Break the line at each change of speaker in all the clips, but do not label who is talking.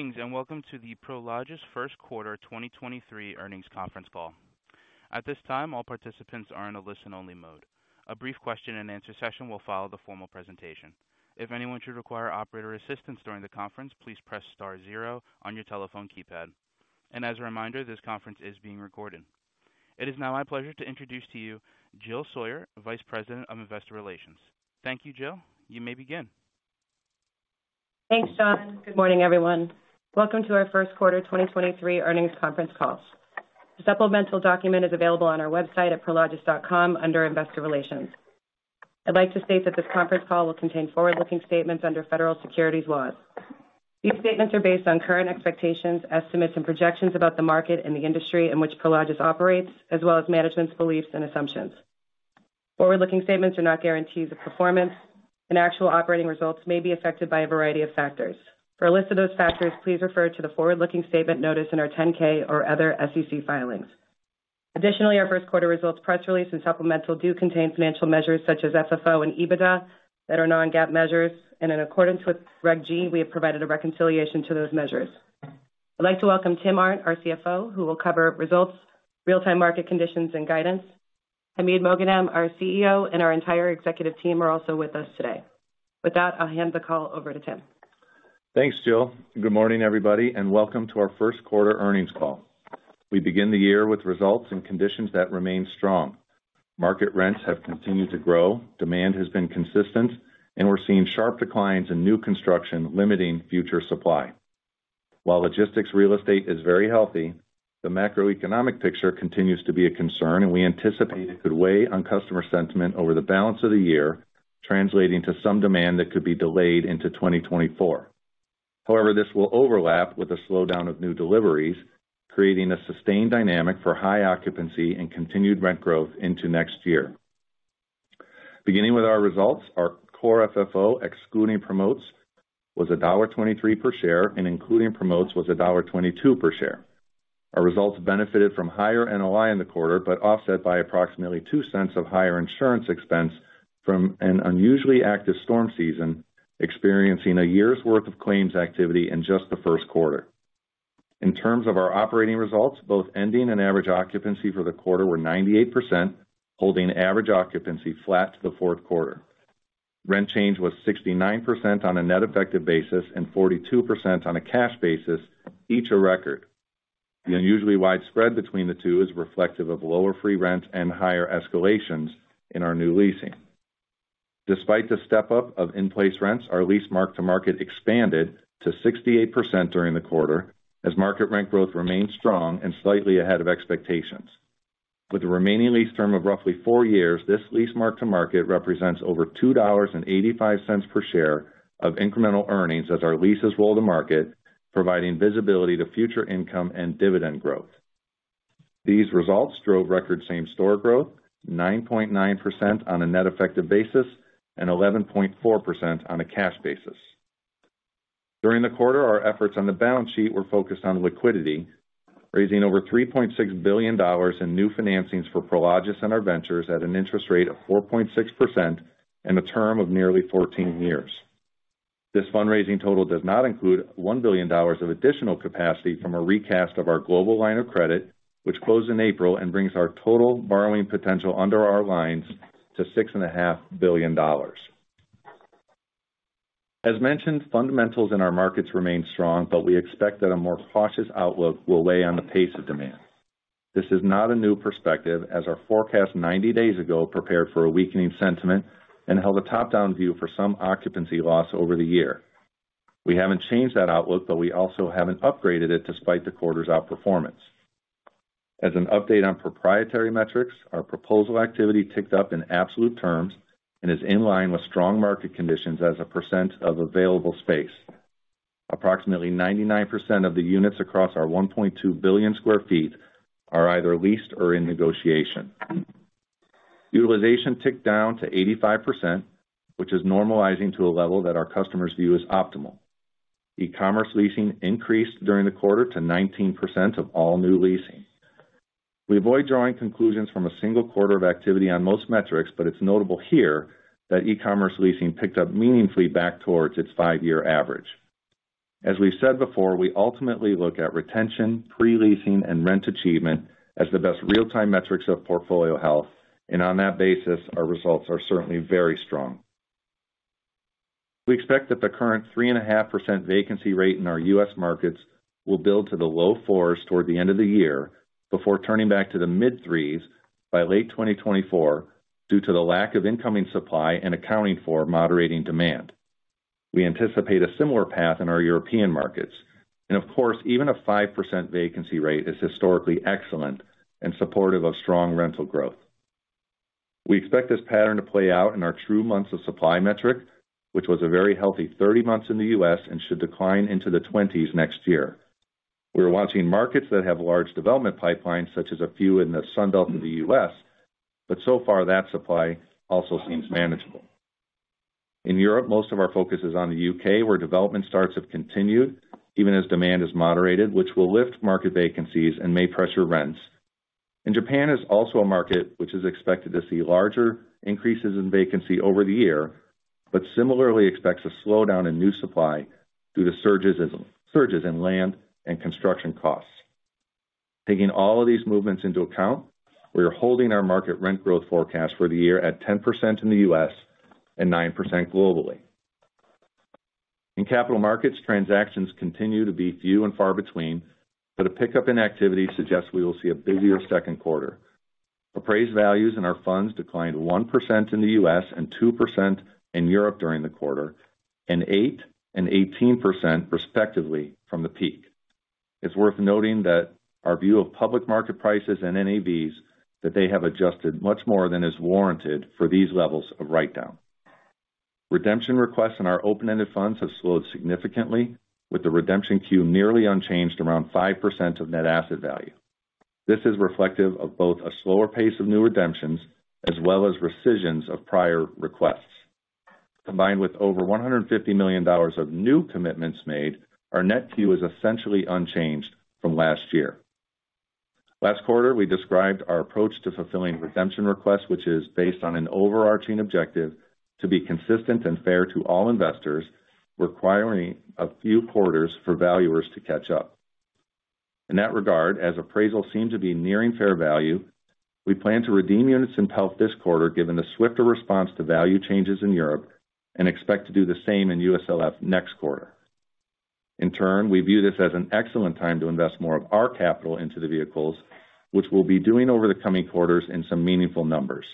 Good evening, and welcome to the Prologis Q1 2023 earnings conference call. At this time, all participants are in listen-only mode. A brief question and answer session will follow the formal presentation. If anyone should require operator assistance during the conference, please press star zero on your telephone keypad. As a reminder, this conference is being recorded. It is now my pleasure to introduce to you Jill Sawyer, Vice President of Investor Relations. Thank you, Jill. You may begin.
Thanks, John. Good morning, everyone. Welcome to our Q1 2023 earnings conference call. The supplemental document is available on our website at prologis.com under Investor Relations. I'd like to state that this conference call will contain forward-looking statements under federal securities laws. These statements are based on current expectations, estimates, and projections about the market and the industry in which Prologis operates, as well as management's beliefs and assumptions. Forward-looking statements are not guarantees of performance, and actual operating results may be affected by a variety of factors. For a list of those factors, please refer to the forward-looking statement notice in our 10-K or other SEC filings. Additionally, our Q1 results, press release, and supplemental contain financial measures such as FFO and EBITDA that are non-GAAP measures. In accordance with Reg G, we have provided a reconciliation to those measures. I'd like to welcome Tim Arndt, our CFO, who will cover results, real-time market conditions, and guidance. Hamid Moghadam, our CEO, and our entire executive team are also with us today. With that, I'll hand the call over to Tim.
Thanks, Jill. Good morning, everybody, and welcome to our Q1 earnings call. We begin the year with results and conditions that remain strong. Market rents have continued to grow, demand has been consistent, and we're seeing sharp declines in new construction, limiting future supply. While logistics real estate is very healthy, the macroeconomic picture continues to be a concern, and we anticipate it could weigh on customer sentiment over the balance of the year, translating to some demand that could be delayed into 2024. However, this will overlap with the slowdown of new deliveries, creating a sustained dynamic for high occupancy and continued rent growth into next year. Beginning with our results, our Core FFO, excluding promotes, was $1.23 per share and including promotes was $1.22 per share. Our results benefited from higher NOI in the quarter, offset by approximately $0.02 of higher insurance expense from an unusually active storm season, experiencing a year's worth of claims activity in just Q1. In terms of our operating results, both ending and average occupancy for the quarter were 98%, holding average occupancy flat to Q4. Rent change was 69% on a net effective basis and 42% on a cash basis, each a record. The unusually wide spread between the two is reflective of lower free rents and higher escalations in our new leasing. Despite the step up of in-place rents, our lease mark-to-market expanded to 68% during the quarter as market rent growth remained strong and slightly ahead of expectations. With the remaining lease term of roughly four years, this lease mark-to-market represents over $2.85 per share of incremental earnings as our leases roll to market, providing visibility to future income and dividend growth. These results drove record same-store growth, 9.9% on a net effective basis, and 11.4% on a cash basis. During the quarter, our efforts on the balance sheet were focused on liquidity, raising over $3.6 billion in new financings for Prologis and our ventures at an interest rate of 4.6% and a term of nearly 14 years. This fundraising total does not include $1 billion of additional capacity from a recast of our global line of credit, which closed in April and brings our total borrowing potential under our lines to six and a half billion dollars. As mentioned, fundamentals in our markets remain strong, but we expect that a more cautious outlook will weigh on the pace of demand. This is not a new perspective as our forecast 90 days ago prepared for a weakening sentiment and held a top-down view for some occupancy loss over the year. We haven't changed that outlook, but we also haven't upgraded it despite the quarter's outperformance. As an update on proprietary metrics, our proposal activity ticked up in absolute terms and is in line with strong market conditions as a percent of available space. Approximately 99% of the units across our 1.2 billion sq ft are either leased or in negotiation. Utilization ticked down to 85%, which is normalizing to a level that our customers view as optimal. E-commerce leasing increased during the quarter to 19% of all new leasing. We avoid drawing conclusions from a single quarter of activity on most metrics, but it's notable here that e-commerce leasing picked up meaningfully back towards its 5-year average. As we've said before, we ultimately look at retention, pre-leasing, and rent achievement as the best real-time metrics of portfolio health. On that basis, our results are certainly very strong. We expect that the current 3.5% vacancy rate in our U.S. markets will build to the low 4s toward the end of the year before turning back to the mid 3s by late 2024 due to the lack of incoming supply and accounting for moderating demand. We anticipate a similar path in our European markets. Of course, even a 5% vacancy rate is historically excellent and supportive of strong rental growth. We expect this pattern to play out in our True Months of Supply metric, which was a very healthy 30 months in the U.S. and should decline into the 20s next year. We're watching markets that have large development pipelines, such as a few in the Sun Belt in the U.S., so far, that supply also seems manageable. In Europe, most of our focus is on the U.K., where development starts have continued even as demand has moderated, which will lift market vacancies and may pressure rents. Japan is also a market which is expected to see larger increases in vacancy over the year, but similarly expects a slowdown in new supply due to surges in land and construction costs. Taking all of these movements into account, we are holding our market rent growth forecast for the year at 10% in the US and 9% globally. In capital markets, transactions continue to be few and far between, but a pickup in activity suggests we will see a busier Q2. Appraised values in our funds declined 1% in the US and 2% in Europe during the quarter, and 8% and 18% respectively from the peak. It's worth noting that our view of public market prices and NAVs, that they have adjusted much more than is warranted for these levels of write-down. Redemption requests in our open-ended funds have slowed significantly, with the redemption queue nearly unchanged around 5% of net asset value. This is reflective of both a slower pace of new redemptions as well as rescissions of prior requests. Combined with over $150 million of new commitments made, our net queue is essentially unchanged from last year. Last quarter, we described our approach to fulfilling redemption requests, which is based on an overarching objective to be consistent and fair to all investors, requiring a few quarters for valuers to catch up. In that regard, as appraisals seem to be nearing fair value, we plan to redeem units in PELF this quarter, given the swifter response to value changes in Europe and expect to do the same in USLF next quarter. In turn, we view this as an excellent time to invest more of our capital into the vehicles, which we'll be doing over the coming quarters in some meaningful numbers.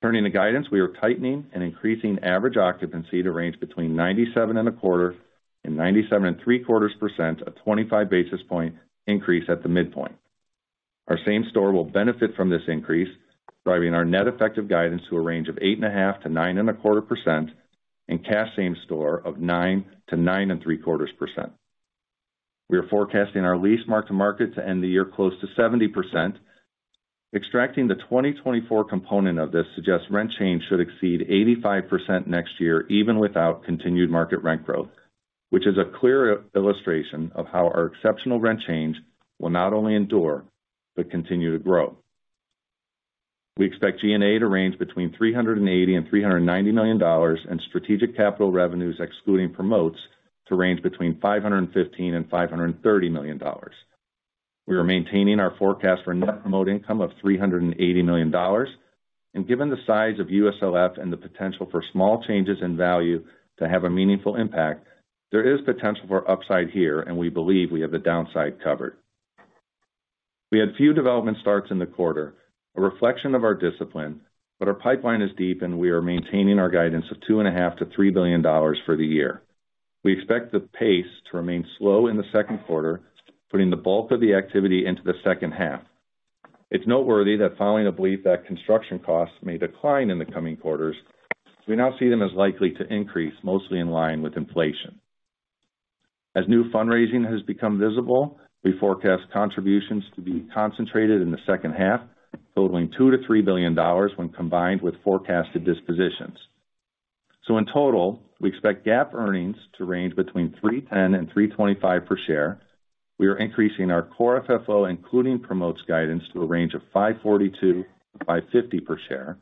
Turning to guidance, we are tightening and increasing average occupancy to range 97.25% and 97.75%, a 25 basis point increase at the midpoint. Our same-store will benefit from this increase, driving our net effective guidance to a range 8.5% to 9.25%, and cash same-store of 9% to 9.75%. We are forecasting our lease mark-to-market to end the year close to 70%. Extracting the 2024 component of this suggests rent change should exceed 85% next year, even without continued market rent growth, which is a clear illustration of how our exceptional rent change will not only endure, but continue to grow. We expect G&A to range between $380 million and $390 million, and strategic capital revenues, excluding promotes, to range between $515 million and $530 million. We are maintaining our forecast for net promote income of $380 million. Given the size of USLF and the potential for small changes in value to have a meaningful impact, there is potential for upside here, and we believe we have the downside covered. We had few development starts in the quarter, a reflection of our discipline, our pipeline is deep, and we are maintaining our guidance of $2.5 billion-$3 billion for the year. We expect the pace to remain slow in the Q2, putting the bulk of the activity into the second half. It's noteworthy that following the belief that construction costs may decline in the coming quarters, we now see them as likely to increase mostly in line with inflation. As new fundraising has become visible, we forecast contributions to be concentrated in the second half, totaling $2 billion-$3 billion when combined with forecasted dispositions. In total, we expect GAAP earnings to range between $3.10 and $3.25 per share. We are increasing our Core FFO, including promotes guidance, to a range of $5.42 to $5.50 per share.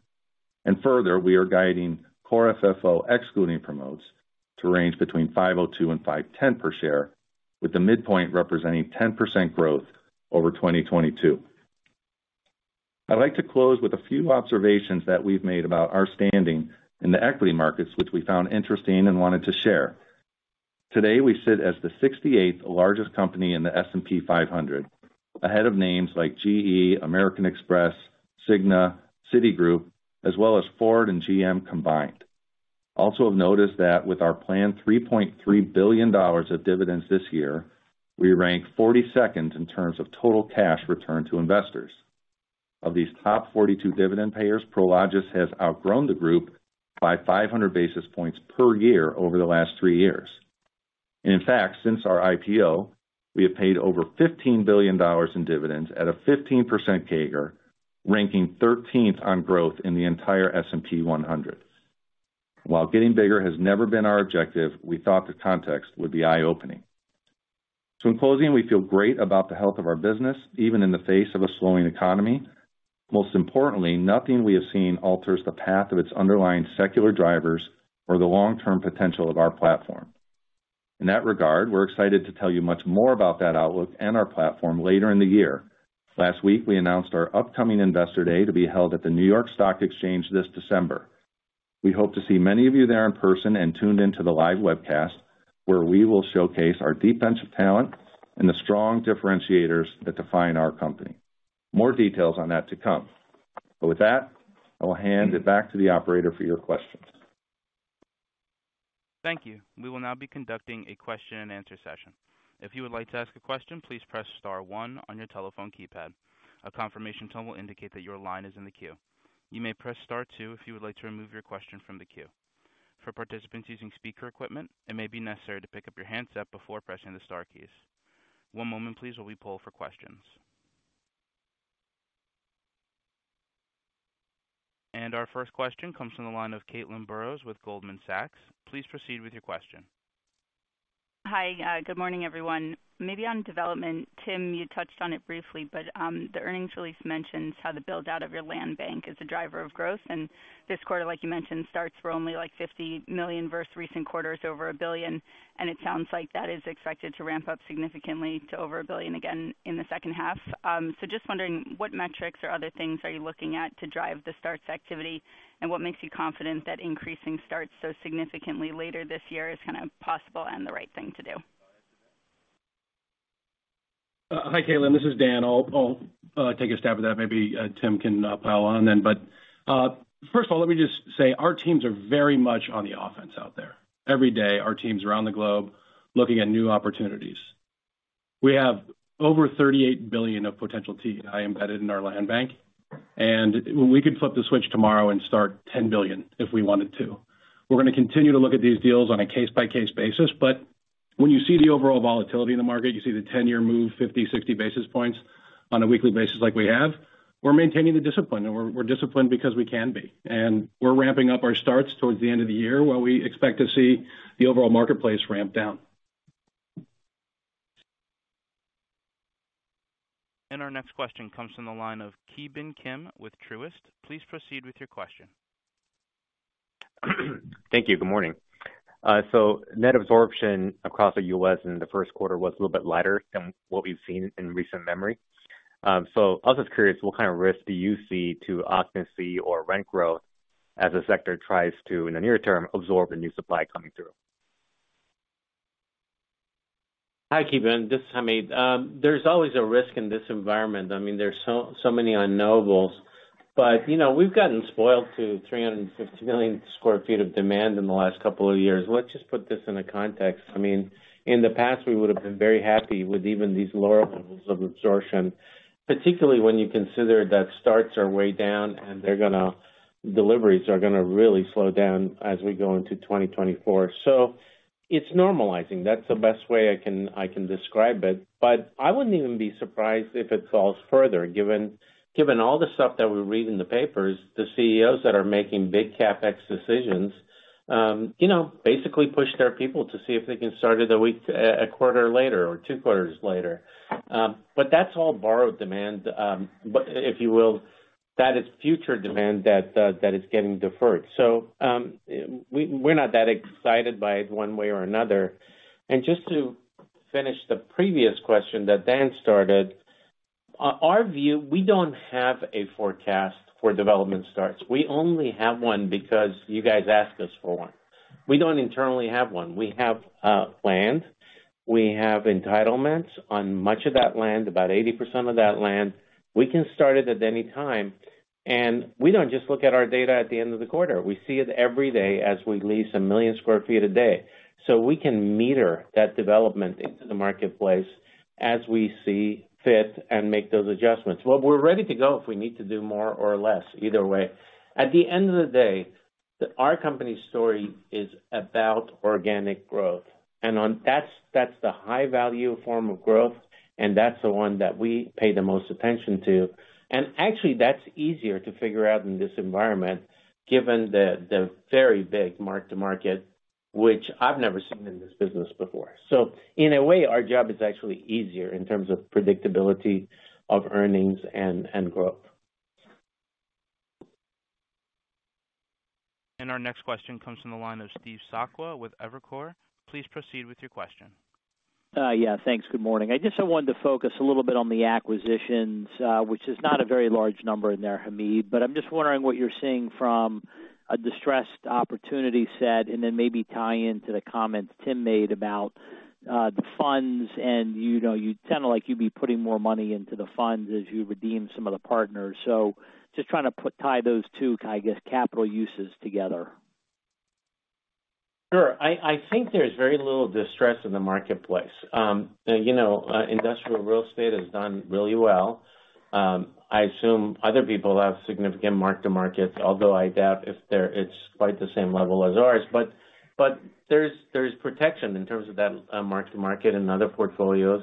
Further, we are guiding Core FFO excluding promotes to range between $5.02 and $5.10 per share, with the midpoint representing 10% growth over 2022. I'd like to close with a few observations that we've made about our standing in the equity markets, which we found interesting and wanted to share. Today, we sit as the 68th largest company in the S&P 500, ahead of names like GE, American Express, Cigna, Citigroup, as well as Ford and GM combined. Of notice that with our planned $3.3 billion of dividends this year, we rank 42nd in terms of total cash returned to investors. Of these top 42 dividend payers, Prologis has outgrown the group by 500 basis points per year over the last three years. In fact, since our IPO, we have paid over $15 billion in dividends at a 15% CAGR, ranking 13th on growth in the entire S&P 100. While getting bigger has never been our objective, we thought the context would be eye-opening. In closing, we feel great about the health of our business, even in the face of a slowing economy. Most importantly, nothing we have seen alters the path of its underlying secular drivers or the long-term potential of our platform. We're excited to tell you much more about that outlook and our platform later in the year. Last week, we announced our upcoming Investor Day to be held at the New York Stock Exchange this December. We hope to see many of you there in person and tuned into the live webcast, where we will showcase our defensive talent and the strong differentiators that define our company. More details on that to come. With that, I will hand it back to the operator for your questions.
Thank you. We will now be conducting a question and answer session. If you would like to ask a question, please press star one on your telephone keypad. A confirmation tone will indicate that your line is in the queue. You may press star two if you would like to remove your question from the queue. For participants using speaker equipment, it may be necessary to pick up your handset before pressing the star keys. One moment please, while we poll for questions. Our first question comes from the line of Caitlin Burrows with Goldman Sachs. Please proceed with your question.
Hi, good morning, everyone. Maybe on development, Tim, you touched on it briefly, but the earnings release mentions how the build-out of your land bank is a driver of growth. This quarter, like you mentioned, starts were only like $50 million versus recent quarters over $1 billion, and it sounds like that is expected to ramp up significantly to over $1 billion again in the second half. Just wondering, what metrics or other things are you looking at to drive the starts activity? What makes you confident that increasing starts so significantly later this year is kind of possible and the right thing to do?
Hi, Caitlin, this is Dan. I'll take a stab at that. Maybe Tim can pile on. First of all, let me just say, our teams are very much on the offense out there. Every day, our teams around the globe looking at new opportunities. We have over $38 billion of potential TI embedded in our land bank, and we could flip the switch tomorrow and start $10 billion if we wanted to. We're going to continue to look at these deals on a case-by-case basis. When you see the overall volatility in the market, you see the 10-year move 50, 60 basis points on a weekly basis like we have, we're maintaining the discipline. We're disciplined because we can be. We're ramping up our starts towards the end of the year, while we expect to see the overall marketplace ramp down.
Our next question comes from the line of Ki Bin Kim with Truist. Please proceed with your question.
Thank you. Good morning. Net absorption across the U.S. in the Q1 was a little bit lighter than what we've seen in recent memory. I was just curious, what kind of risk do you see to occupancy or rent growth as the sector tries to, in the near term, absorb the new supply coming through?
Hi, Ki Bin. This is Hamid. There's always a risk in this environment. There's so many unknowables. We've gotten spoiled to 350 million sq ft of demand in the last couple of years. Let's just put this into context. In the past, we would have been very happy with even these lower levels of absorption, particularly when you consider that starts are way down and deliveries are gonna really slow down as we go into 2024. It's normalizing. That's the best way I can describe it. I wouldn't even be surprised if it falls further, given all the stuff that we read in the papers, the CEOs that are making big CapEx decisions, basically push their people to see if they can start it a quarter later or 2 quarters later. That's all borrowed demand, but if you will, that is future demand that is getting deferred. We're not that excited by it one way or another. Just to finish the previous question that Dan started, our view, we don't have a forecast for development starts. We only have one because you guys asked us for one. We don't internally have one. We have land. We have entitlements on much of that land, about 80% of that land. We can start it at any time. We don't just look at our data at the end of the quarter. We see it every day as we lease 1 million sq ft a day. We can meter that development into the marketplace as we see fit and make those adjustments. Well, we're ready to go if we need to do more or less, either way. At the end of the day, our company's story is about organic growth, and that's the high-value form of growth, and that's the one that we pay the most attention to. Actually, that's easier to figure out in this environment, given the very big mark-to-market, which I've never seen in this business before. In a way, our job is actually easier in terms of predictability of earnings and growth.
Our next question comes from the line of Steve Sakwa with Evercore. Please proceed with your question.
Yeah, thanks. Good morning. I just wanted to focus a little bit on the acquisitions, which is not a very large number in there, Hamid, but I'm just wondering what you're seeing from a distressed opportunity set and then maybe tie into the comments Tim made about the funds. You sound like you'd be putting more money into the funds as you redeem some of the partners. Just trying to tie those two, kind of, I guess, capital uses together.
Sure. I think there's very little distress in the marketplace. Industrial real estate has done really well. I assume other people have significant mark-to-markets, although I doubt if it's quite the same level as ours. There's protection in terms of that mark-to-market in other portfolios,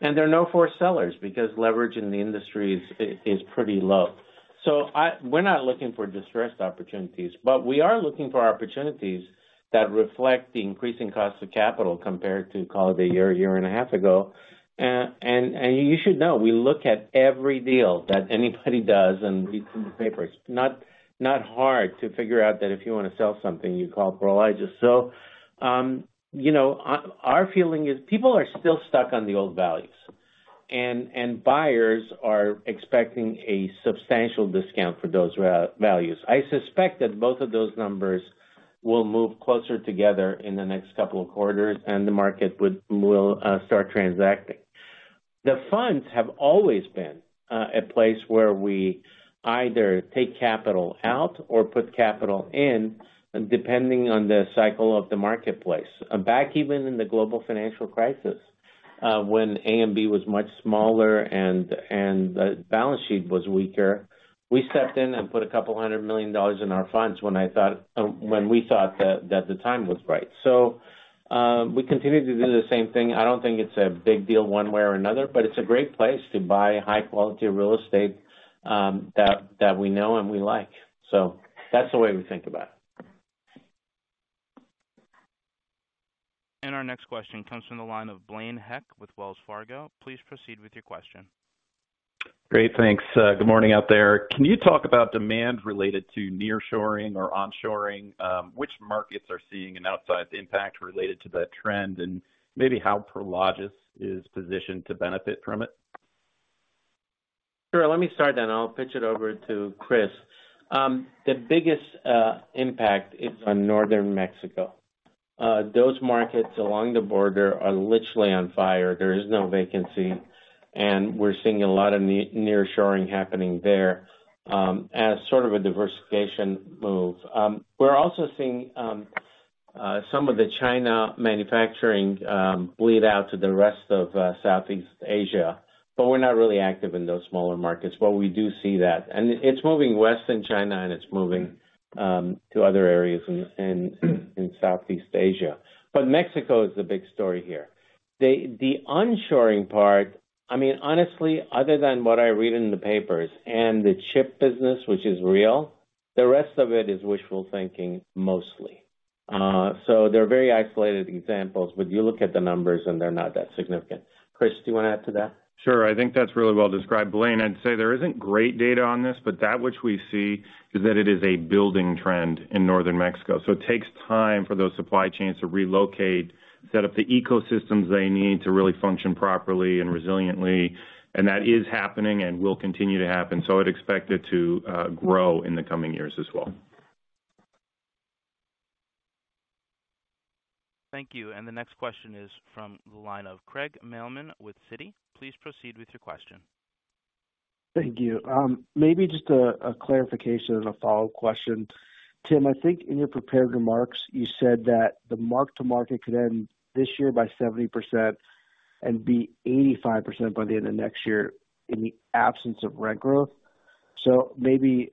and they're no forced sellers because leverage in the industry is pretty low. We're not looking for distressed opportunities, but we are looking for opportunities that reflect the increasing cost of capital compared to call it a year and a half ago. You should know, we look at every deal that anybody does and read through the papers. Not hard to figure out that if you want to sell something, you call Prologis. Our feeling is people are still stuck on the old values, and buyers are expecting a substantial discount for those values. I suspect that both of those numbers will move closer together in the next couple of quarters, and the market will start transacting. The funds have always been a place where we either take capital out or put capital in, depending on the cycle of the marketplace. Back even in the global financial crisis, when AMB was much smaller and the balance sheet was weaker, we stepped in and put $200 million in our funds when I thought, when we thought that the time was right. We continue to do the same thing. I don't think it's a big deal one way or another, but it's a great place to buy high-quality real estate, that we know and we like. That's the way we think about it.
Our next question comes from the line of Blaine Heck with Wells Fargo. Please proceed with your question.
Great. Thanks. good morning out there. Can you talk about demand related to nearshoring or onshoring, which markets are seeing an outsized impact related to that trend, and maybe how Prologis is positioned to benefit from it?
Sure. Let me start then I'll pitch it over to Chris. The biggest impact is on northern Mexico. Those markets along the border are literally on fire. There is no vacancy, and we're seeing a lot of nearshoring happening there, as a diversification move. We're also seeing some of the China manufacturing bleed out to the rest of Southeast Asia, but we're not really active in those smaller markets, but we do see that. It's moving west in China, and it's moving to other areas in Southeast Asia. Mexico is the big story here. The onshoring part, honestly, other than what I read in the papers and the chip business, which is real, the rest of it is wishful thinking, mostly. They're very isolated examples, but you look at the numbers, and they're not that significant. Chris, do you want to add to that?
Sure. I think that's really well described. Blaine, I'd say there isn't great data on this, but that which we see is that it is a building trend in northern Mexico. It takes time for those supply chains to relocate, set up the ecosystems they need to really function properly and resiliently. That is happening and will continue to happen. I'd expect it to grow in the coming years as well.
Thank you. The next question is from the line of Craig Mailman with Citi. Please proceed with your question.
Thank you. Maybe just a clarification and a follow question. Tim, I think in your prepared remarks, you said that the mark-to-market could end this year by 70% and be 85% by the end of next year in the absence of rent growth. Maybe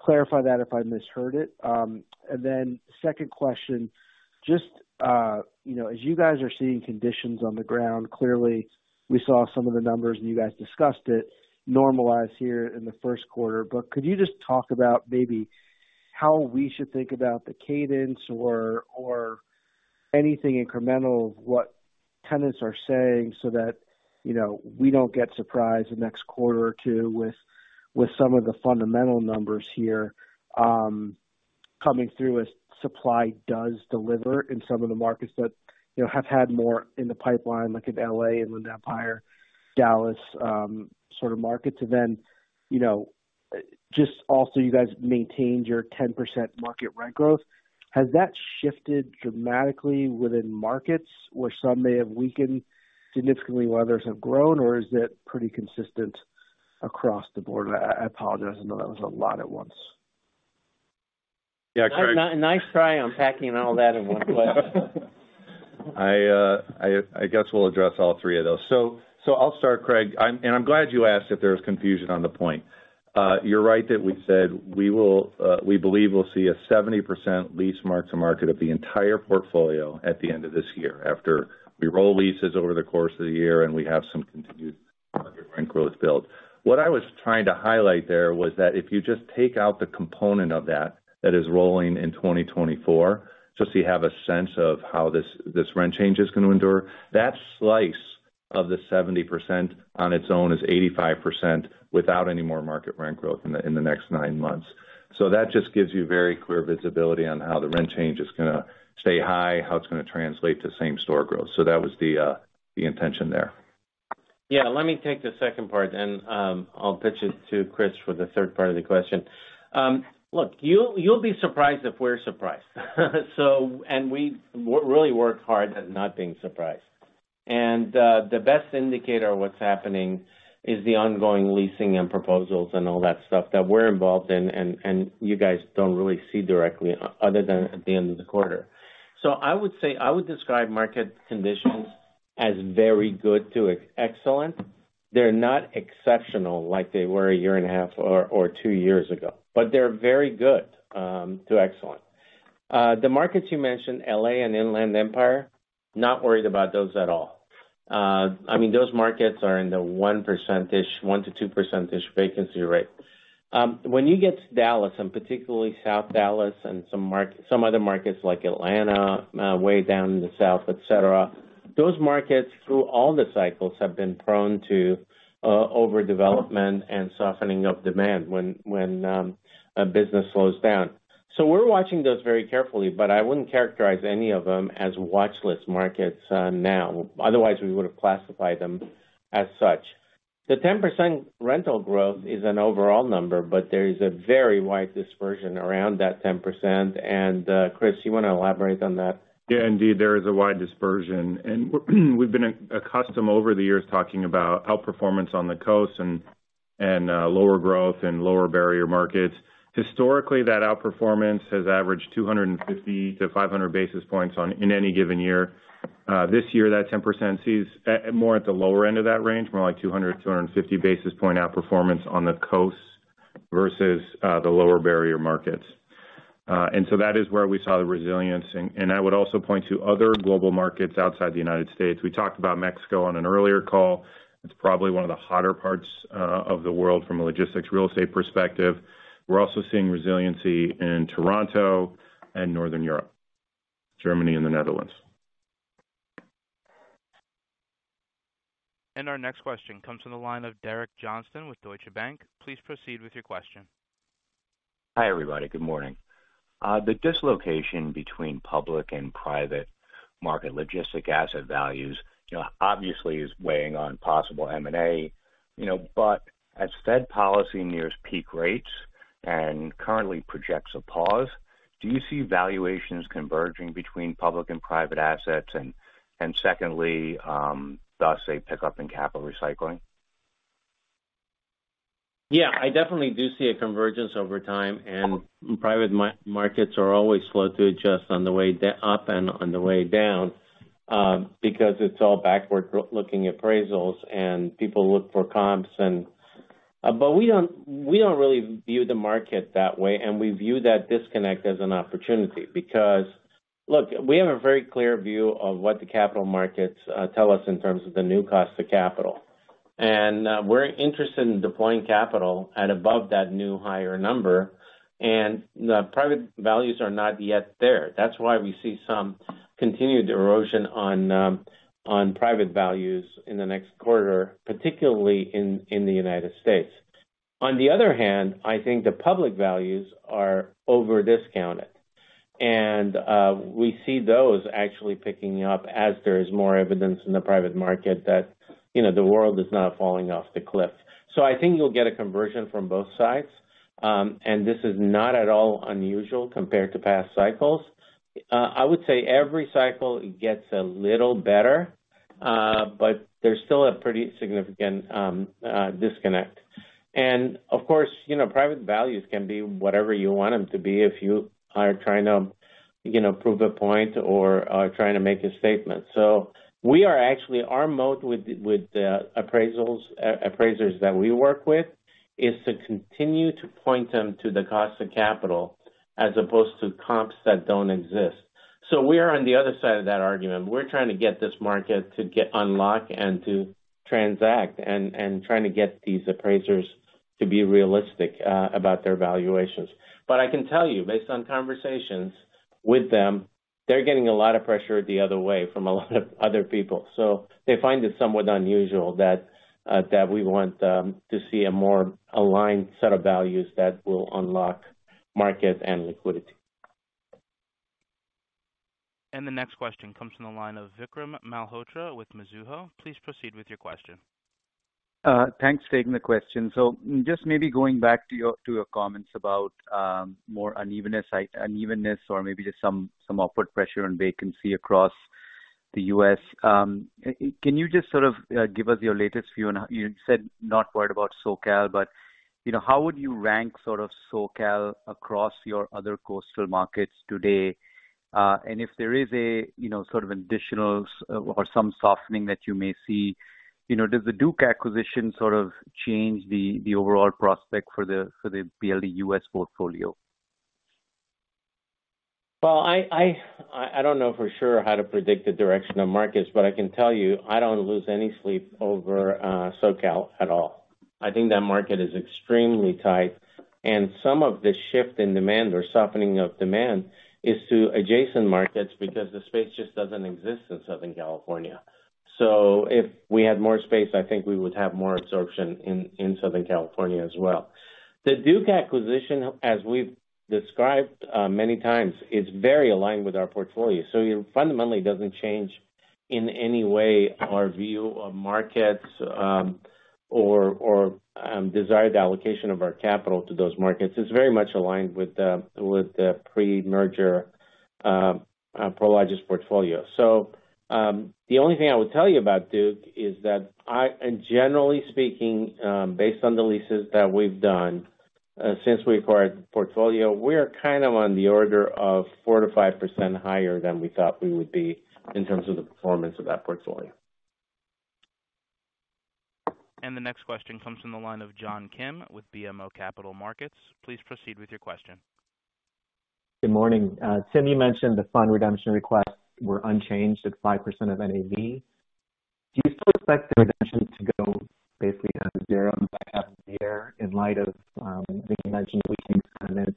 clarify that if I misheard it. Then second question, just, as you guys are seeing conditions on the ground, clearly we saw some of the numbers and you guys discussed it normalize here in the Q1. Could you just talk about maybe how we should think about the cadence or anything incremental of what tenants are saying so that, we don't get surprised the next quarter or two with some of the fundamental numbers here coming through as supply does deliver in some of the markets that, have had more in the pipeline, like in L.A. and Inland Empire, Dallas, market to then, just also you guys maintained your 10% market rent growth. Has that shifted dramatically within markets where some may have weakened significantly, while others have grown, or is it pretty consistent across the board? I apologize. I know that was a lot at once.
Yeah, Craig.
Nice try on packing all that in one question.
I guess we'll address all three of those. I'll start, Craig. I'm glad you asked if there was confusion on the point. You're right that we said we will, we believe we'll see a 70% lease mark-to-market of the entire portfolio at the end of this year, after we roll leases over the course of the year, and we have some continued market rent growth build. What I was trying to highlight there was that if you just take out the component of that that is rolling in 2024, just so you have a sense of how this rent change is gonna endure. That slice of the 70% on its own is 85% without any more market rent growth in the next nine months. That just gives you very clear visibility on how the rent change is gonna stay high, how it's gonna translate to same-store growth. That was the intention there.
Yeah, let me take the second part. I'll pitch it to Chris for the third part of the question. Look, you'll be surprised if we're surprised. We really work hard at not being surprised. The best indicator of what's happening is the ongoing leasing and proposals and all that stuff that we're involved in and, you guys don't really see directly other than at the end of the quarter. I would say, I would describe market conditions as very good to excellent. They're not exceptional like they were a year and a half or two years ago, but they're very good to excellent. The markets you mentioned, L.A. and Inland Empire, not worried about those at all. Those markets are in the 1%, 1%-2% vacancy rate. When you get to Dallas and particularly South Dallas and some other markets like Atlanta, way down in the south, et cetera, those markets, through all the cycles, have been prone to overdevelopment and softening of demand when a business slows down. We're watching those very carefully, but I wouldn't characterize any of them as watchlist markets now. Otherwise, we would have classified them as such. The 10% rental growth is an overall number, but there is a very wide dispersion around that 10%. Chris, you wanna elaborate on that?
Yeah, indeed, there is a wide dispersion. We've been accustomed over the years talking about outperformance on the coast and lower growth and lower barrier markets. Historically, that outperformance has averaged 250 to 500 basis points in any given year. This year, that 10% sees more at the lower end of that range, more like 200, 250 basis point outperformance on the coast versus the lower barrier markets. That is where we saw the resilience. I would also point to other global markets outside the United States. We talked about Mexico on an earlier call. It's probably one of the hotter parts of the world from a logistics real estate perspective. We're also seeing resiliency in Toronto and Northern Europe, Germany and the Netherlands.
Our next question comes from the line of Derek Johnston with Deutsche Bank. Please proceed with your question.
Hi, everybody. Good morning. The dislocation between public and private market logistics asset values, obviously is weighing on possible M&A. As Fed policy nears peak rates and currently projects a pause, do you see valuations converging between public and private assets? Secondly, thus a pickup in capital recycling?
Yeah, I definitely do see a convergence over time. Private markets are always slow to adjust on the way up and on the way down, because it's all backward-looking appraisals and people look for comps. We don't really view the market that way, and we view that disconnect as an opportunity. Look, we have a very clear view of what the capital markets tell us in terms of the new cost of capital. We're interested in deploying capital at above that new higher number. The private values are not yet there. That's why we see some continued erosion on private values in the next quarter, particularly in the United States. On the other hand, I think the public values are over-discounted, we see those actually picking up as there is more evidence in the private market that, the world is not falling off the cliff. I think you'll get a conversion from both sides. This is not at all unusual compared to past cycles. I would say every cycle gets a little better, there's still a pretty significant disconnect. Of course, private values can be whatever you want them to be if you are trying to, prove a point or are trying to make a statement. Our mode with the appraisers that we work with is to continue to point them to the cost of capital as opposed to comps that don't exist. We are on the other side of that argument. We're trying to get this market to get unlocked and to transact and trying to get these appraisers to be realistic about their valuations. I can tell you, based on conversations with them, they're getting a lot of pressure the other way from a lot of other people. They find it somewhat unusual that we want them to see a more aligned set of values that will unlock markets and liquidity.
The next question comes from the line of Vikram Malhotra with Mizuho. Please proceed with your question.
Thanks for taking the question. Just maybe going back to your comments about more unevenness or maybe just some upward pressure on vacancy across the U.S. Can you just give us your latest view? You said not worried about SoCal, but, how would you rank SoCal across your other coastal markets today? If there is a, additional or some softening that you may see, does the Duke acquisition change the overall prospect for the PLD U.S. portfolio?
Well, I don't know for sure how to predict the direction of markets, but I can tell you I don't lose any sleep over SoCal at all. I think that market is extremely tight, and some of the shift in demand or softening of demand is to adjacent markets because the space just doesn't exist in Southern California. If we had more space, I think we would have more absorption in Southern California as well. The Duke acquisition, as we've described many times, it's very aligned with our portfolio. It fundamentally doesn't change in any way our view of markets, or desired allocation of our capital to those markets. It's very much aligned with the pre-merger Prologis portfolio. The only thing I would tell you about Duke is that generally speaking, based on the leases that we've done since we acquired the portfolio, we're on the order of 4%-5% higher than we thought we would be in terms of the performance of that portfolio.
The next question comes from the line of John Kim with BMO Capital Markets. Please proceed with your question.
Good morning. Tim, you mentioned the fund redemption requests were unchanged at 5% of NAV. Do you still expect the redemptions to go basically down to 0 in the back half of the year in light of the mentioned weakening demand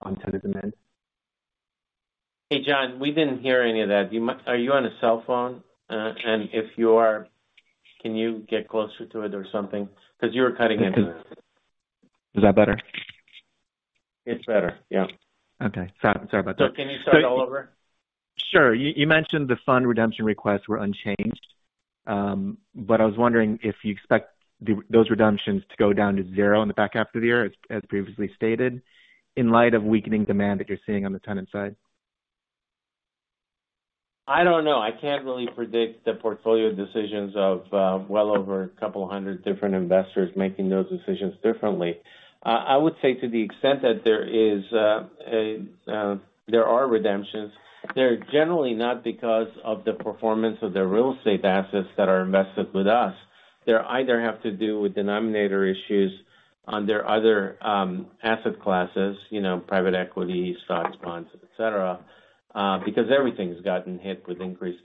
on tenant demand?
Hey, John, we didn't hear any of that. Are you on a cell phone? If you are, can you get closer to it or something? 'Cause you were cutting in and out.
Is that better?
It's better, yeah.
Okay. Sorry. Sorry about that.
Can you start all over?
Sure. You mentioned the fund redemption requests were unchanged. I was wondering if you expect those redemptions to go down to zero in the back half of the year, as previously stated, in light of weakening demand that you're seeing on the tenant side?
I don't know. I can't really predict the portfolio decisions of well over 200 different investors making those decisions differently. I would say to the extent that there are redemptions, they're generally not because of the performance of their real estate assets that are invested with us. They either have to do with denominator issues on their other asset classes, private equity, stocks, bonds, et cetera, because everything's gotten hit with increased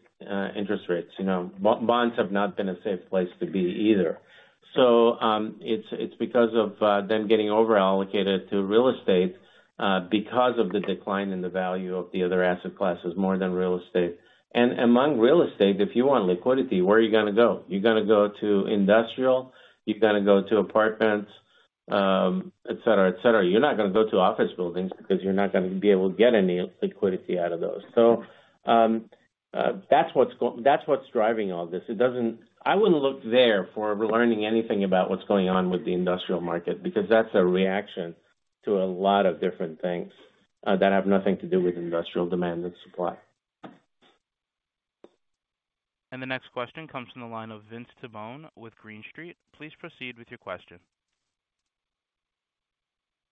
interest rates. Bonds have not been a safe place to be either. It's because of them getting over-allocated to real estate because of the decline in the value of the other asset classes more than real estate. Among real estate, if you want liquidity, where are you gonna go? You're gonna go to industrial, you're gonna go to apartments. et cetera, et cetera. You're not gonna go to office buildings because you're not gonna be able to get any liquidity out of those. That's what's driving all this. I wouldn't look there for learning anything about what's going on with the industrial market, because that's a reaction to a lot of different things that have nothing to do with industrial demand and supply.
The next question comes from the line of Vince Tibone with Green Street. Please proceed with your question.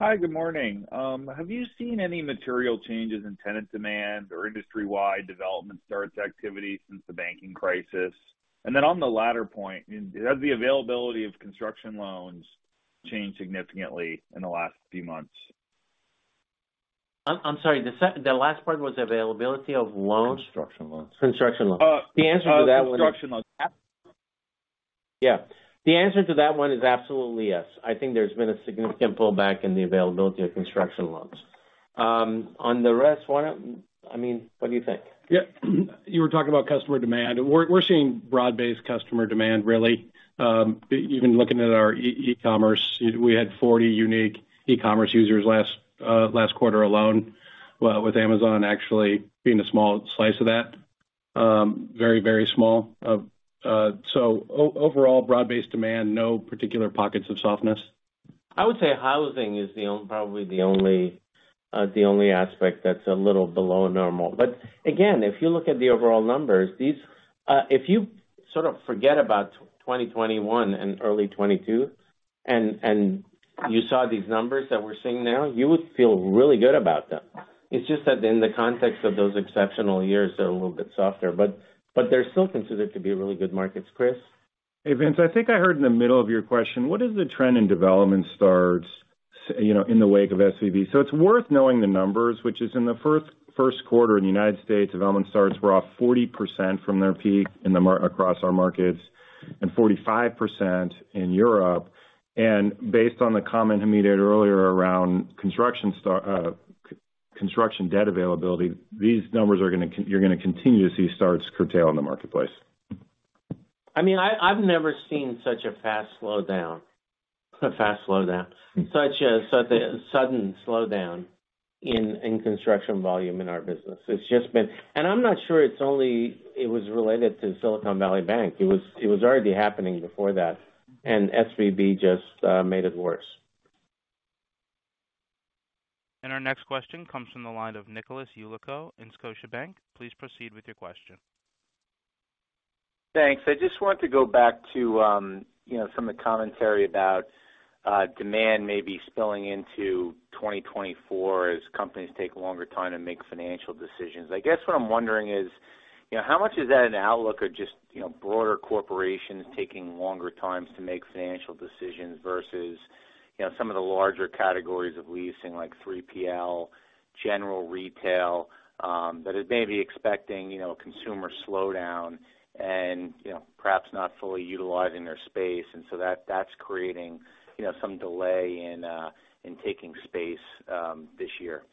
Hi, good morning. Have you seen any material changes in tenant demand or industry-wide development starts activity since the banking crisis? On the latter point, has the availability of construction loans changed significantly in the last few months?
I'm sorry, the last part was availability of loans?
Construction loans.
Construction loans.
Uh.
The answer to that one-
construction loans.
Yeah. The answer to that one is absolutely yes. I think there's been a significant pullback in the availability of construction loans. On the rest one, what do you think?
Yeah. You were talking about customer demand. We're seeing broad-based customer demand really, even looking at our e-commerce. We had 40 unique e-commerce users last quarter alone, with Amazon actually being a very small slice of that, very small. Overall broad-based demand, no particular pockets of softness.
I would say housing is probably the only, the only aspect that's a little below normal. Again, if you look at the overall numbers, these. If you forget about 2021 and early 2022 and you saw these numbers that we're seeing now, you would feel really good about them. It's just that in the context of those exceptional years, they're a little bit softer, but they're still considered to be really good markets. Chris.
Hey, Vince. I think I heard in the middle of your question, what is the trend in development starts, in the wake of SVB? It's worth knowing the numbers, which is in the Q1 in the United States, development starts were off 40% from their peak across our markets and 45% in Europe. Based on the comment Hamid had earlier around construction debt availability, these numbers are gonna continue to see starts curtail in the marketplace.
I've never seen such a fast slowdown. A fast slowdown. Such a sudden slowdown in construction volume in our business. It's just been... I'm not sure it's only it was related to Silicon Valley Bank. It was already happening before that, SVB just made it worse.
Our next question comes from the line of Nicholas Yulico in Scotiabank. Please proceed with your question.
Thanks. I just want to go back to, some of the commentary about demand maybe spilling into 2024 as companies take longer time to make financial decisions. I guess what I'm wondering is, how much is that an outlook or just, broader corporations taking longer times to make financial decisions versus, some of the larger categories of leasing like 3PL, general retail, that it may be expecting, consumer slowdown and, perhaps not fully utilizing their space, and so that's creating, some delay in taking space, this year?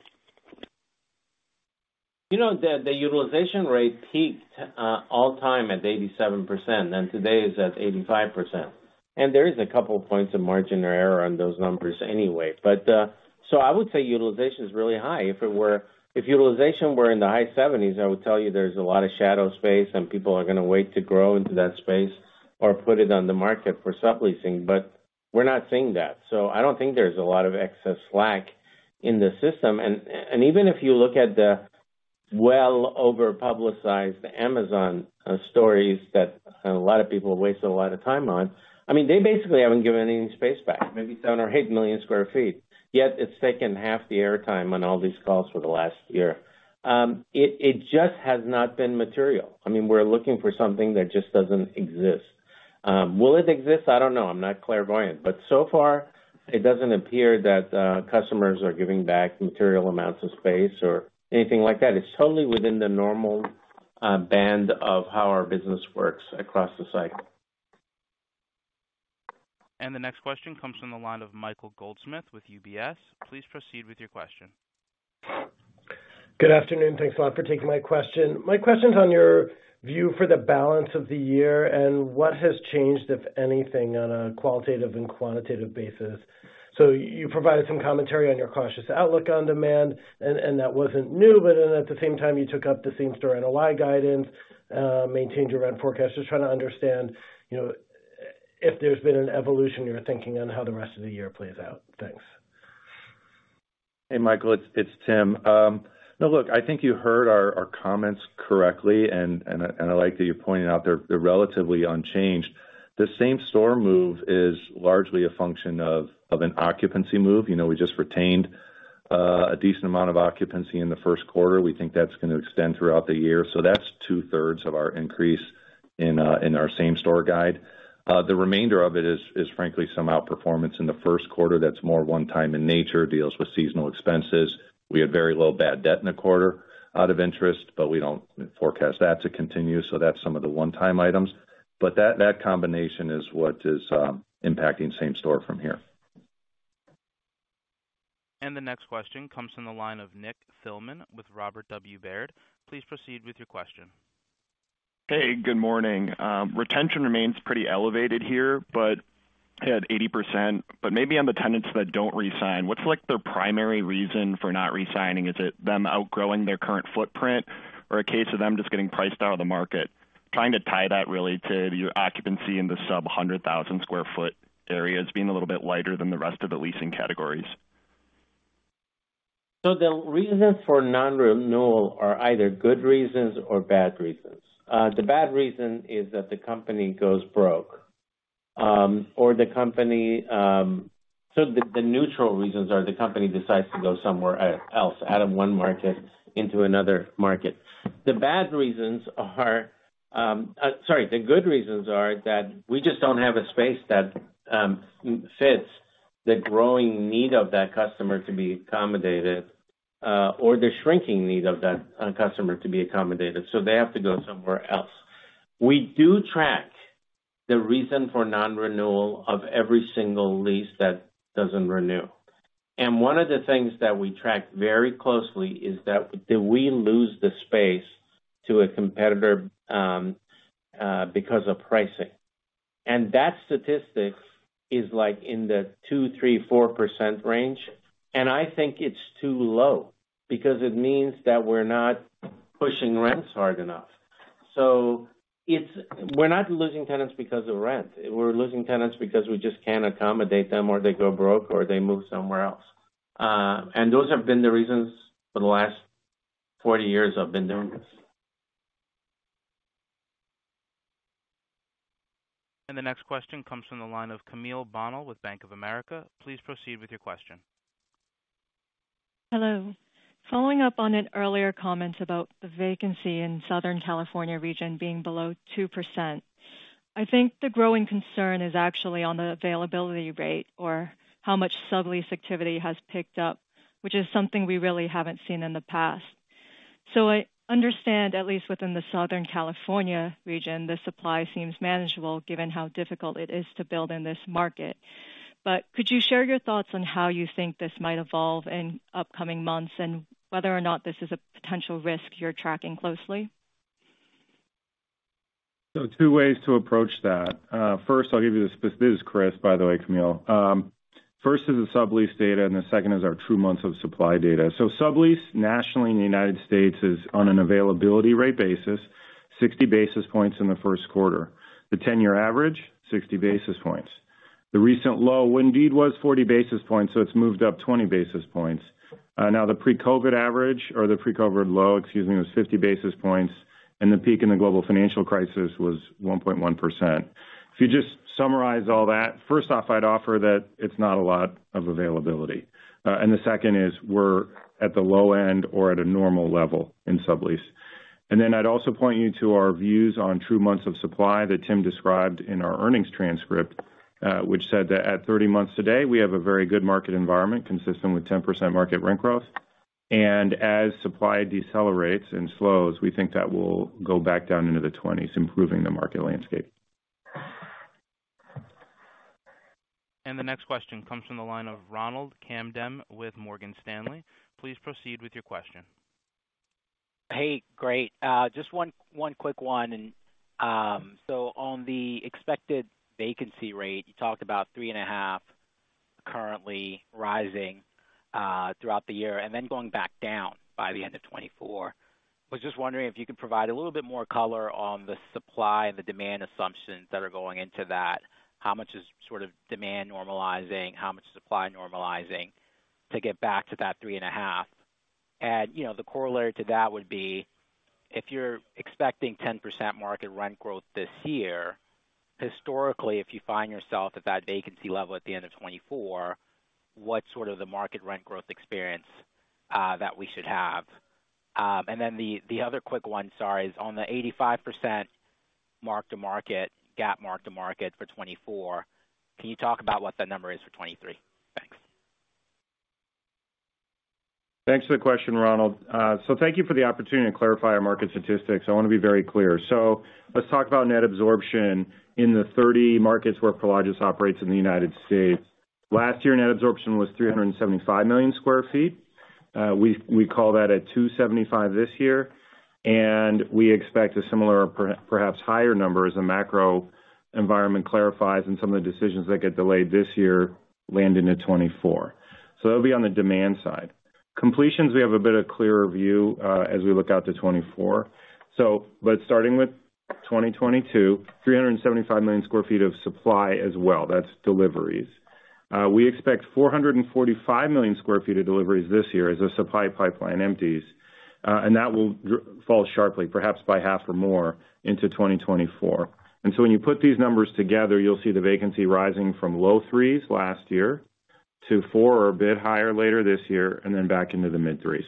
The utilization rate peaked all time at 87%, and today is at 85%. There is a couple of points of margin or error on those numbers anyway. I would say utilization is really high. If utilization were in the high 70s, I would tell you there's a lot of shadow space, and people are gonna wait to grow into that space or put it on the market for subleasing, but we're not seeing that. I don't think there's a lot of excess slack in the system. And even if you look at the well over-publicized Amazon stories that a lot of people waste a lot of time on, they basically haven't given any space back, maybe 7 or 8 million sq ft. It's taken half the air time on all these calls for the last year. It just has not been material. We're looking for something that just doesn't exist. Will it exist? I don't know. I'm not clairvoyant, but so far, it doesn't appear that customers are giving back material amounts of space or anything like that. It's totally within the normal band of how our business works across the cycle.
The next question comes from the line of Michael Goldsmith with UBS. Please proceed with your question.
Good afternoon. Thanks a lot for taking my question. My question's on your view for the balance of the year and what has changed, if anything, on a qualitative and quantitative basis. You provided some commentary on your cautious outlook on demand, and that wasn't new. At the same time, you took up the same-store NOI guidance, maintained your rent forecast. Just trying to understand, if there's been an evolution you're thinking on how the rest of the year plays out. Thanks.
Hey, Michael, it's Tim. Now look, I think you heard our comments correctly, and I like that you pointed out they're relatively unchanged. The same-store move is largely a function of an occupancy move. We just retained a decent amount of occupancy in the Q1. We think that's gonna extend throughout the year. That's two-thirds of our increase in our same-store guide. The remainder of it is frankly some outperformance in the Q1 that's more one-time in nature, deals with seasonal expenses. We had very low bad debt in the quarter out of interest, but we don't forecast that to continue. That's some of the one-time items. That combination is what is impacting same-store from here.
The next question comes from the line of Nick Thillman with Robert W. Baird. Please proceed with your question.
Hey, good morning. Retention remains pretty elevated here, but at 80%. Maybe on the tenants that don't re-sign, what's like their primary reason for not re-signing? Is it them outgrowing their current footprint or a case of them just getting priced out of the market? Trying to tie that really to your occupancy in the sub 100,000 sq ft areas being a little bit lighter than the rest of the leasing categories.
The reasons for non-renewal are either good reasons or bad reasons. The bad reason is that the company goes broke, or the neutral reasons are the company decides to go somewhere else, out of one market into another market. The bad reasons are, sorry. The good reasons are that we just don't have a space that fits the growing need of that customer to be accommodated, or the shrinking need of that customer to be accommodated, so they have to go somewhere else. We do track the reason for non-renewal of every single lease that doesn't renew. One of the things that we track very closely is that, did we lose the space to a competitor because of pricing? That statistic is, like, in the 2%, 3%, 4% range, and I think it's too low because it means that we're not pushing rents hard enough. We're not losing tenants because of rent. We're losing tenants because we just can't accommodate them, or they go broke, or they move somewhere else. Those have been the reasons for the last 40 years I've been doing this.
The next question comes from the line of Camille Bonnel with Bank of America. Please proceed with your question.
Hello. Following up on an earlier comment about the vacancy in Southern California region being below 2%. I think the growing concern is actually on the availability rate or how much sublease activity has picked up, which is something we really haven't seen in the past. I understand, at least within the Southern California region, the supply seems manageable given how difficult it is to build in this market. Could you share your thoughts on how you think this might evolve in upcoming months and whether or not this is a potential risk you're tracking closely?
Two ways to approach that. First, This is Chris, by the way, Camille. First is the sublease data, and the second is our True Months of Supply data. Sublease nationally in the United States is on an availability rate basis, 60 basis points in the Q1. The 10-year average, 60 basis points. The recent low indeed was 40 basis points, so it's moved up 20 basis points. Now, the pre-COVID average or the pre-COVID low, excuse me, was 50 basis points, and the peak in the global financial crisis was 1.1%. If you just summarize all that, first off, I'd offer that it's not a lot of availability. The second is we're at the low end or at a normal level in sublease. I'd also point you to our views on True Months of Supply that Tim described in our earnings transcript, which said that at 30 months today, we have a very good market environment consistent with 10% market rent growth. As supply decelerates and slows, we think that will go back down into the 20s, improving the market landscape.
The next question comes from the line of Ronald Kamdem with Morgan Stanley. Please proceed with your question.
Hey, great. Just one quick one. On the expected vacancy rate, you talked about 3.5 currently rising throughout the year and then going back down by the end of 2024. Was just wondering if you could provide a little bit more color on the supply and the demand assumptions that are going into that. How much is demand normalizing? How much supply normalizing to get back to that 3.5? The corollary to that would be, if you're expecting 10% market rent growth this year, historically, if you find yourself at that vacancy level at the end of 2024, what's the market rent growth experience that we should have? The other quick one, sorry, is on the 85% mark-to-market, GAAP mark-to-market for 2024, can you talk about what that number is for 2023? Thanks.
Thanks for the question, Ronald. Thank you for the opportunity to clarify our market statistics. I wanna be very clear. Let's talk about net absorption in the 30 markets where Prologis operates in the United States. Last year, net absorption was 375 million square feet. We call that at 275 this year, and we expect a similar or perhaps higher number as the macro environment clarifies and some of the decisions that get delayed this year land into 2024. That'll be on the demand side. Completions, we have a bit of clearer view as we look out to 2024. Starting with 2022, 375 million square feet of supply as well. That's deliveries. We expect 445 million square feet of deliveries this year as our supply pipeline empties. That will fall sharply, perhaps by half or more, into 2024. When you put these numbers together, you'll see the vacancy rising from low 3s last year to 4 or a bit higher later this year and then back into the mid 3s.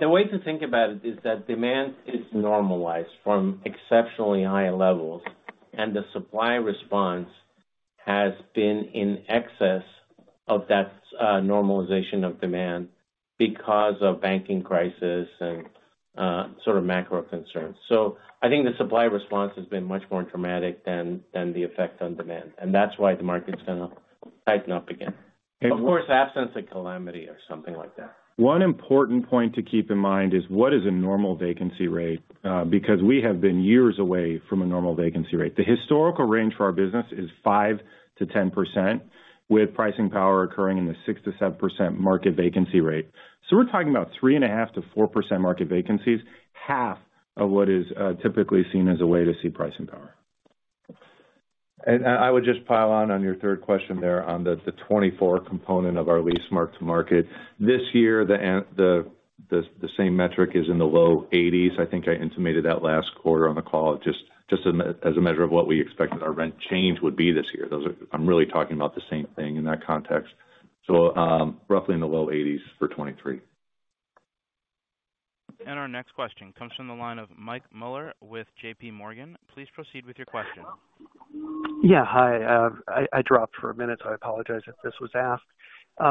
The way to think about it is that demand is normalized from exceptionally high levels, and the supply response has been in excess of that, normalization of demand. Because of banking crisis and macro concerns. I think the supply response has been much more dramatic than the effect on demand, and that's why the market's gonna tighten up again. Of course, absence of calamity or something like that.
One important point to keep in mind is what is a normal vacancy rate, because we have been years away from a normal vacancy rate. The historical range for our business is 5%-10%, with pricing power occurring in the 6%-7% market vacancy rate. We're talking about 3.5%-4% market vacancies, half of what is, typically seen as a way to see pricing power.
I would just pile on your third question there on the 2024 component of our lease mark-to-market. This year, the same metric is in the low 80s. I think I intimated that last quarter on the call, just as a measure of what we expected our rent change would be this year. Those are. I'm really talking about the same thing in that context. Roughly in the low 80s for 2023.
Our next question comes from the line of Michael Mueller with JP Morgan. Please proceed with your question.
Yeah. Hi. I dropped for a minute, I apologize if this was asked.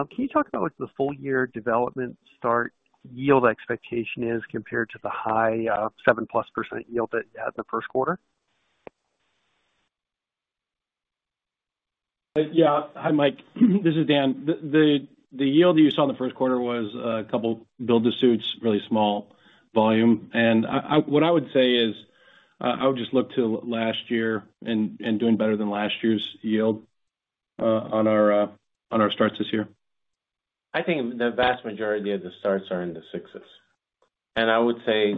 Can you talk about what the full year development start yield expectation is compared to the high 7+% yield that you had in the Q1?
Yeah. Hi, Mike. This is Dan. The yield that you saw in the Q1 was a couple build-to-suits, really small volume. What I would say is, I would just look to last year and doing better than last year's yield, on our starts this year.
I think the vast majority of the starts are in the sixes. I would say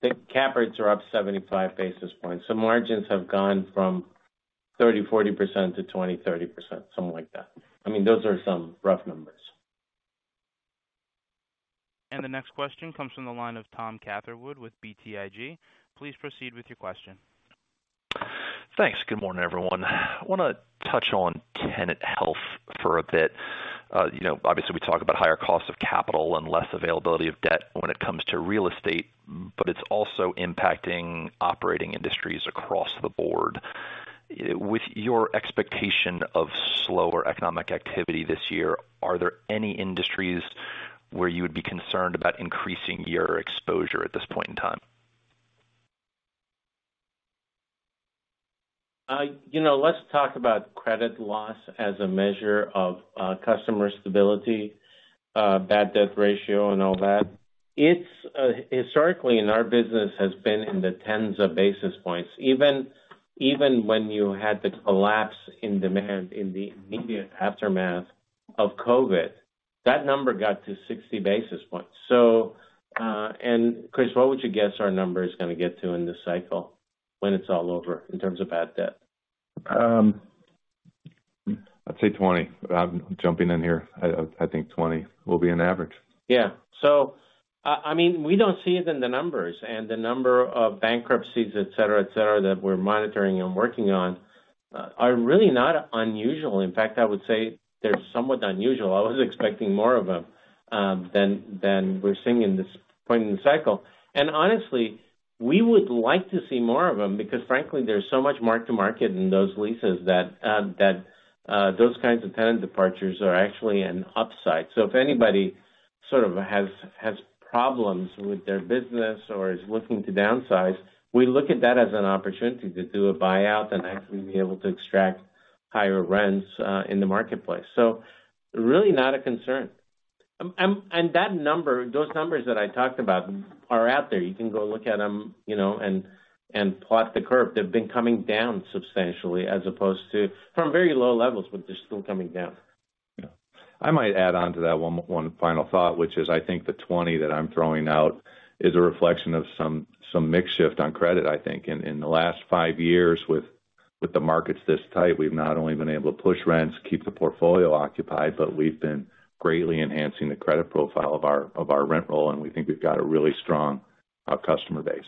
the cap rates are up 75 basis points. margins have gone from 30%-40% to 20%-30%, something like that. Those are some rough numbers.
The next question comes from the line of Tom Catherwood with BTIG. Please proceed with your question.
Thanks. Good morning, everyone. I wanna touch on tenant health for a bit. Obviously, we talk about higher costs of capital and less availability of debt when it comes to real estate, but it's also impacting operating industries across the board. With your expectation of slower economic activity this year, are there any industries where you would be concerned about increasing your exposure at this point in time?
Let's talk about credit loss as a measure of customer stability, bad debt ratio and all that. It's historically in our business, has been in the tens of basis points. Even when you had the collapse in demand in the immediate aftermath of COVID, that number got to 60 basis points. And Chris, what would you guess our number is gonna get to in this cycle when it's all over in terms of bad debt?
I'd say 20. I'm jumping in here. I think 20 will be an average.
I mean, we don't see it in the numbers, and the number of bankruptcies, et cetera, et cetera, that we're monitoring and working on, are really not unusual. In fact, I would say they're somewhat unusual. I was expecting more of them, than we're seeing in this point in the cycle. Honestly, we would like to see more of them because frankly, there's so much mark-to-market in those leases that those kinds of tenant departures are actually an upside. If anybody has problems with their business or is looking to downsize, we look at that as an opportunity to do a buyout and actually be able to extract higher rents, in the marketplace. Really not a concern. That number, those numbers that I talked about are out there. You can go look at them, and plot the curve. They've been coming down substantially from very low levels, but they're still coming down.
Yeah. I might add on to that one final thought, which is I think the 20 that I'm throwing out is a reflection of some mix shift on credit, I think. In the last 5 years with the markets this tight, we've not only been able to push rents, keep the portfolio occupied, but we've been greatly enhancing the credit profile of our rent roll, and we think we've got a really strong customer base.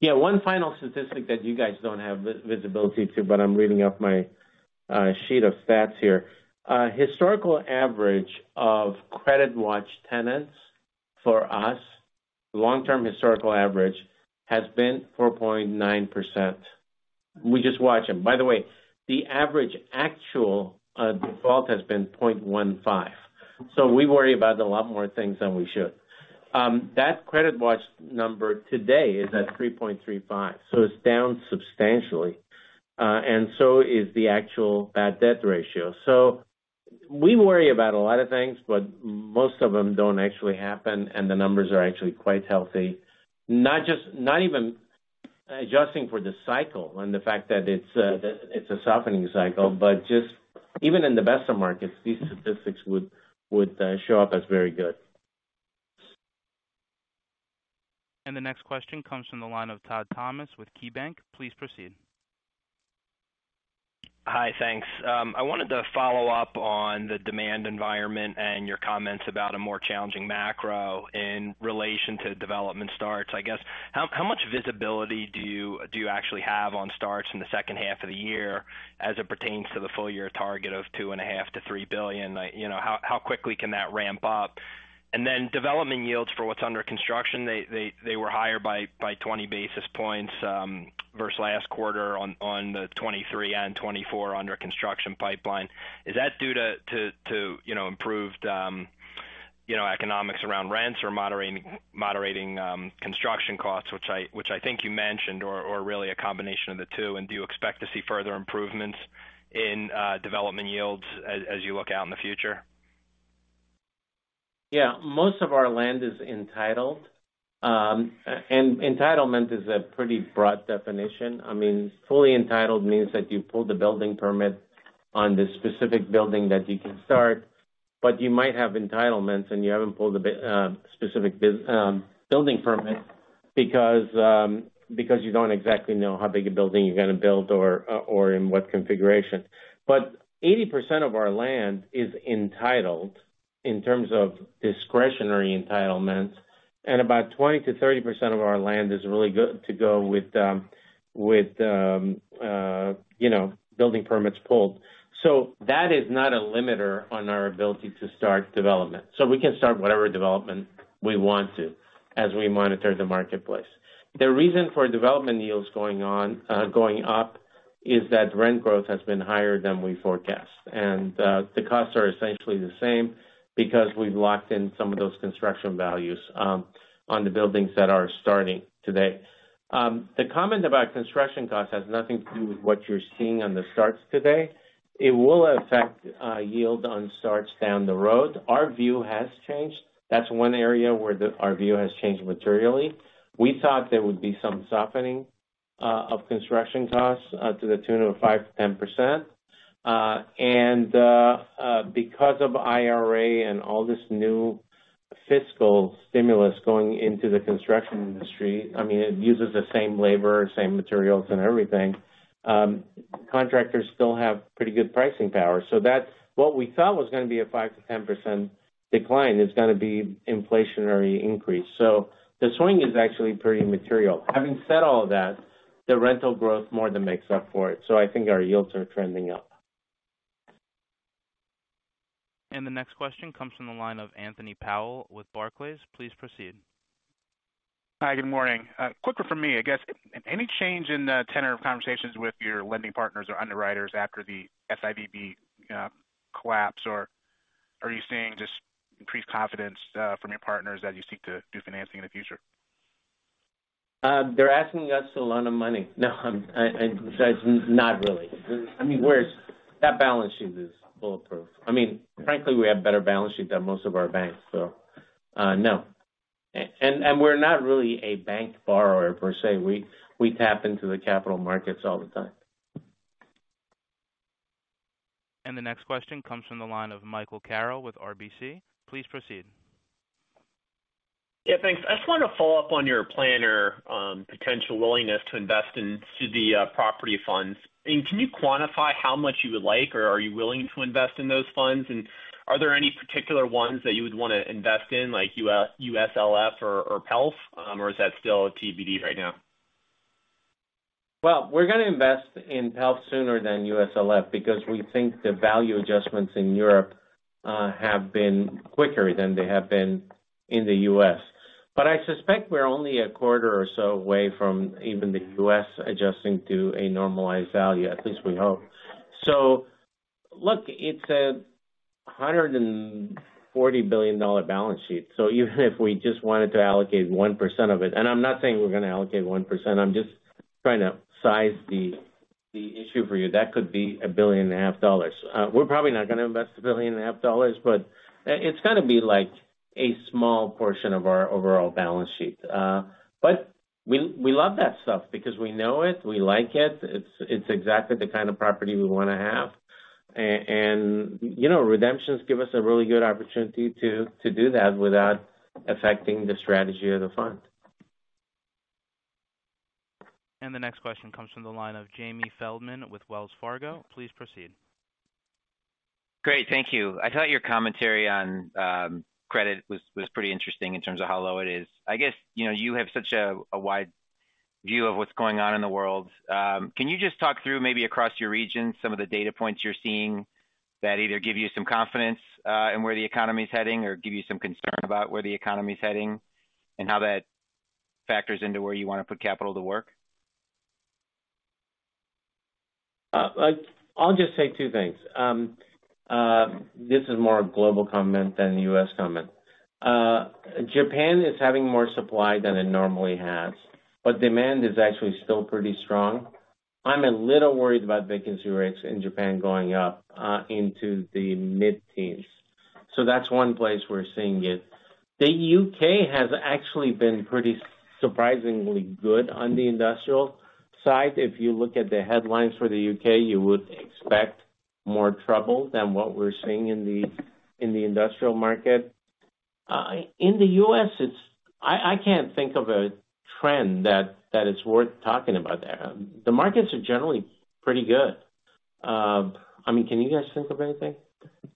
Yeah. One final statistic that you guys don't have visibility to, but I'm reading off my sheet of stats here. Historical average of credit watch tenants for us, long-term historical average has been 4.9%. We just watch them. By the way, the average actual default has been 0.15%. We worry about a lot more things than we should. That credit watch number today is at 3.35%, so it's down substantially, and so is the actual bad debt ratio. We worry about a lot of things, but most of them don't actually happen, and the numbers are actually quite healthy. Not even adjusting for the cycle and the fact that it's a softening cycle, but just even in the best of markets, these statistics would show up as very good.
The next question comes from the line of Todd Thomas with KeyBanc. Please proceed.
Hi. Thanks. I wanted to follow up on the demand environment and your comments about a more challenging macro in relation to development starts. I guess, how much visibility do you actually have on starts in the second half of the year as it pertains to the full year target of $2.5 billion-$3 billion? Like, how quickly can that ramp up? Then development yields for what's under construction, they were higher by 20 basis points versus last quarter on the '23 and '24 under construction pipeline. Is that due to, improved?
Economics around rents or moderating, construction costs, which I think you mentioned, or really a combination of the two. Do you expect to see further improvements in development yields as you look out in the future?
Yeah. Most of our land is entitled. Entitlement is a pretty broad definition. Fully entitled means that you pulled the building permit on the specific building that you can start, but you might have entitlements, and you haven't pulled a specific building permit because you don't exactly know how big a building you're gonna build or in what configuration. 80% of our land is entitled in terms of discretionary entitlements, and about 20%-30% of our land is really good to go with, building permits pulled. That is not a limiter on our ability to start development. We can start whatever development we want to as we monitor the marketplace. The reason for development yields going on, going up is that rent growth has been higher than we forecast. The costs are essentially the same because we've locked in some of those construction values on the buildings that are starting today. The comment about construction costs has nothing to do with what you're seeing on the starts today. It will affect yield on starts down the road. Our view has changed. That's one area where our view has changed materially. We thought there would be some softening of construction costs to the tune of 5%-10%. Because of IRA and all this new fiscal stimulus going into the construction industry, it uses the same labor, same materials and everything, contractors still have pretty good pricing power. What we thought was gonna be a 5% to 10% decline is gonna be inflationary increase. The swing is actually pretty material. Having said all that, the rental growth more than makes up for it, I think our yields are trending up.
The next question comes from the line of Anthony Powell with Barclays. Please proceed.
Hi, good morning. quicker from me. I guess, any change in the tenor of conversations with your lending partners or underwriters after the SIVB collapse, or are you seeing just increased confidence from your partners as you seek to do financing in the future?
They're asking us a lot of money. No, not really. That balance sheet is bulletproof. Frankly, we have better balance sheet than most of our banks, so, no. We're not really a bank borrower per se. We tap into the capital markets all the time.
The next question comes from the line of Michael Carroll with RBC. Please proceed.
Yeah, thanks. I just wanna follow up on your plan or potential willingness to invest in CD property funds. Can you quantify how much you would like, or are you willing to invest in those funds? Are there any particular ones that you would wanna invest in, like USLF or PELF, or is that still TBD right now?
We're gonna invest in PELF sooner than USLF because we think the value adjustments in Europe have been quicker than they have been in the U.S. I suspect we're only a quarter or so away from even the U.S. adjusting to a normalized value, at least we hope. Look, it's a $140 billion balance sheet, so even if we just wanted to allocate 1% of it, and I'm not saying we're gonna allocate 1%, I'm just trying to size the issue for you, that could be $1.5 billion. We're probably not gonna invest $1.5 billion, but it's gonna be, like, a small portion of our overall balance sheet. We love that stuff because we know it, we like it's exactly the property we wanna have. Redemptions give us a really good opportunity to do that without affecting the strategy of the fund.
The next question comes from the line of Jamie Feldman with Wells Fargo. Please proceed.
Great, thank you. I thought your commentary on credit was pretty interesting in terms of how low it is. I guess, you have such a wide view of what's going on in the world. Can you just talk through maybe across your regions some of the data points you're seeing that either give you some confidence in where the economy is heading or give you some concern about where the economy is heading, and how that factors into where you wanna put capital to work?
I'll just say two things. This is more a global comment than a U.S. comment. Japan is having more supply than it normally has, but demand is actually still pretty strong. I'm a little worried about vacancy rates in Japan going up into the mid-teens. That's one place we're seeing it. The U.K. has actually been pretty surprisingly good on the industrial side. If you look at the headlines for the U.K., you would expect more trouble than what we're seeing in the, in the industrial market. In the U.S., I can't think of a trend that is worth talking about there. The markets are generally pretty good. Can you guys think of anything?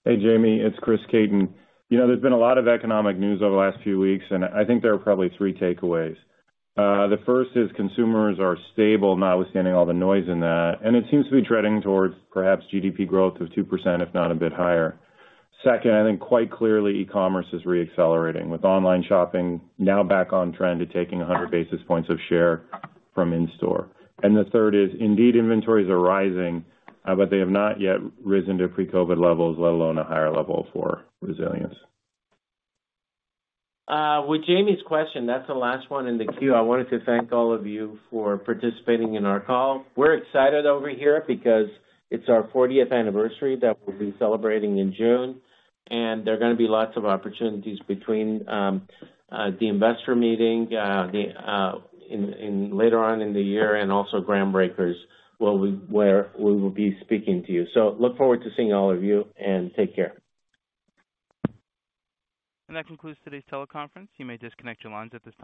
Hey, Jamie, it's Chris Caton. There's been a lot of economic news over the last few weeks, and I think there are probably three takeaways. The first is consumers are stable, notwithstanding all the noise in that, and it seems to be trending towards perhaps GDP growth of 2%, if not a bit higher. Second, I think quite clearly, e-commerce is re-accelerating, with online shopping now back on trend and taking 100 basis points of share from in-store. The third is, indeed, inventories are rising, but they have not yet risen to pre-COVID levels, let alone a higher level for resilience.
With Jamie's question, that's the last one in the queue. I wanted to thank all of you for participating in our call. We're excited over here because it's our fortieth anniversary that we'll be celebrating in June, and there are gonna be lots of opportunities between the investor meeting later on in the year and also Groundbreakers, where we will be speaking to you. Look forward to seeing all of you, and take care.
That concludes today's teleconference. You may disconnect your lines at this time.